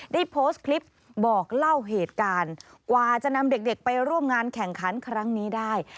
ได้โพสต์คลิปบอกเล่าเหตุการณ์กว่าจะนำเด็กไปร่วมงานแข่งขันครั้งนี้ได้